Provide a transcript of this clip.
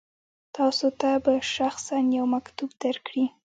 تاسو ته به شخصا یو مکتوب درکړي.